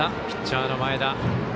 ピッチャーの前田。